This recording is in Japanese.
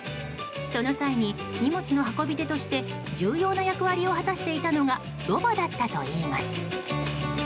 その際に、荷物の運び手として重要な役割を果たしていたのがロバだったといいます。